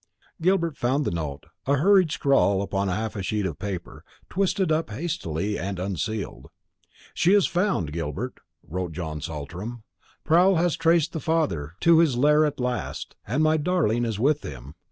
Gilbert found the note; a hurried scrawl upon half a sheet, of paper, twisted up hastily, and unsealed. "She is found, Gilbert," wrote John Saltram. "Proul has traced the father to his lair at last, and my darling is with him.